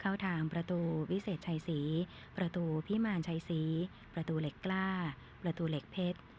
เข้าทางประตูวิเศษชัยศรีประตูพิมารชัยศรีประตูเหล็กกล้าประตูเหล็กเพชร